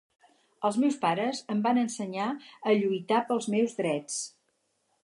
Els meus pares em van ensenyar a lluitar pels meus drets.